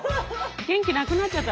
元気なくなっちゃった。